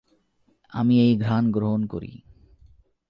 আমি এই ঘ্রাণ গ্রহণ করি।